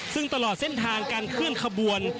ซึ่งตลอดเส้นทางการเคลื่อนขบวน